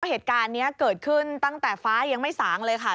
เหตุการณ์นี้เกิดขึ้นตั้งแต่ฟ้ายังไม่สางเลยค่ะ